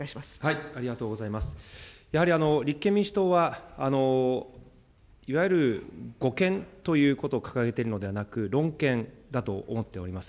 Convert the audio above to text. やはり立憲民主党は、いわゆる護憲ということを掲げているのではなく、論憲だと思っております。